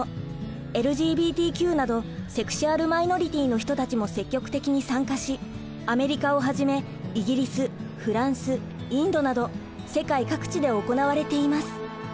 ＬＧＢＴＱなどセクシュアル・マイノリティーの人たちも積極的に参加しアメリカをはじめイギリスフランスインドなど世界各地で行われています。